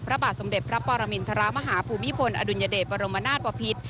พระบาทสมเด็จพระปรมินทรมาฮภูมิพลอดุลยเดชบรมนาศบพิษ